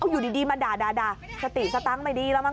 อยู่ดีมาด่าสติสตังค์ไม่ดีแล้วมั้